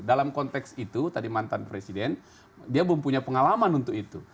dalam konteks itu tadi mantan presiden dia belum punya pengalaman untuk itu